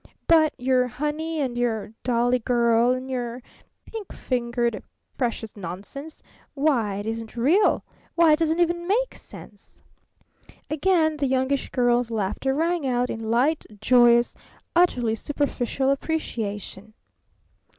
But your 'Honey' and your 'Dolly Girl' and your 'Pink Fingered Precious' nonsense! Why, it isn't real! Why, it doesn't even make sense!" Again the Youngish Girl's laughter rang out in light, joyous, utterly superficial appreciation.